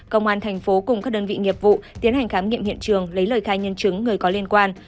công an thành phố cùng các đơn vị nghiệp vụ tiến hành khám nghiệm hiện trường lấy lời khai nhân chứng người có liên quan